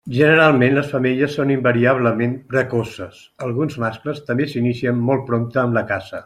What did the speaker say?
Generalment les femelles són invariablement precoces; alguns mascles també s'inicien molt prompte en la caça.